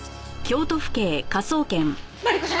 マリコさん